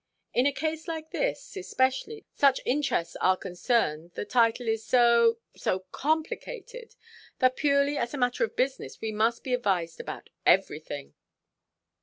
In a case like this, especially, such interests are concerned, the title is so—so complicated, that purely as a matter of business we must be advised about everything."